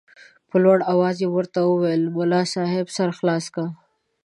په لوړ اواز یې ورته وویل ملا صاحب سر خلاص که.